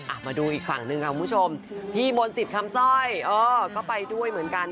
อ่ะมาดูอีกฝั่งหนึ่งค่ะคุณผู้ชมพี่บนจิตคำซ่อยก็ไปด้วยเหมือนกัน